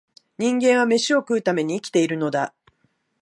人間は、めしを食うために生きているのだ